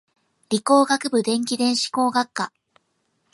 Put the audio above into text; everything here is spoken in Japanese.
理工学部電気電子工学科